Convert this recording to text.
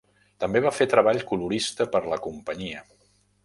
També va fer treball colorista per la companyia.